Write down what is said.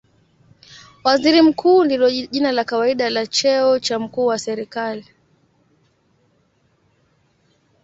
Waziri Mkuu ndilo jina la kawaida la cheo cha mkuu wa serikali.